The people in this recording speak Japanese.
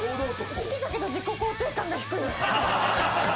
好きだけど自己肯定感が低い。